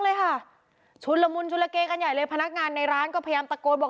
เลยค่ะชุนละมุนชุนละเกกันใหญ่เลยพนักงานในร้านก็พยายามตะโกนบอก